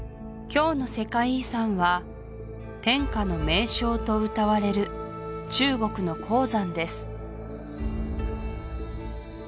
今日の「世界遺産」は天下の名勝とうたわれる中国の黄山です